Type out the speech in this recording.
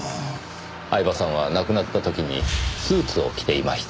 饗庭さんは亡くなった時にスーツを着ていました。